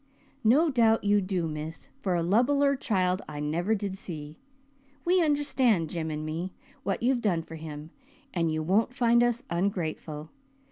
"No doubt you do, miss, for a lovabler child I never did see. We understand, Jim and me, what you've done for him, and you won't find us ungrateful.